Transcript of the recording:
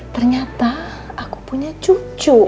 ternyata aku punya cucu